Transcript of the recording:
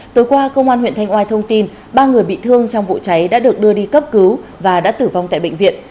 tối qua công an huyện thanh oai thông tin ba người bị thương trong vụ cháy đã được đưa đi cấp cứu và đã tử vong tại bệnh viện